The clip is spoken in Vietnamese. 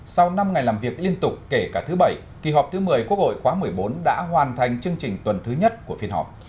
sau năm ngày làm việc liên tục kể cả thứ bảy kỳ họp thứ một mươi quốc hội khóa một mươi bốn đã hoàn thành chương trình tuần thứ nhất của phiên họp